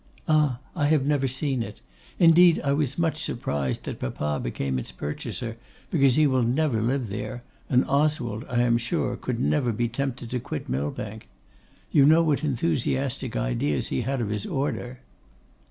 'Ah! I have never seen it; indeed, I was much surprised that papa became its purchaser, because he never will live there; and Oswald, I am sure, could never be tempted to quit Millbank. You know what enthusiastic ideas he has of his order?